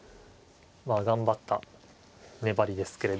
まあ頑張った粘りですけれども。